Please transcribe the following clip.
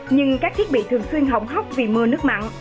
nhưng các thiết bị thường xuyên hỏng hóc vì mưa nước mặn